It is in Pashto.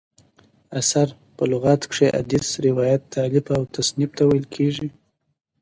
اثر: په لغت کښي حدیث، روایت، تالیف او تصنیف ته ویل کیږي.